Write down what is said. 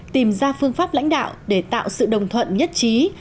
tìm ra phương pháp lãnh đạo để tạo sự đồng thuận nhất trí